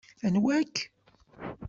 Anwa-k?